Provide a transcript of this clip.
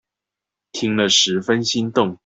聽了十分心動